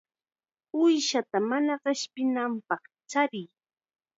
Uushata mana qishpinanpaq chariy.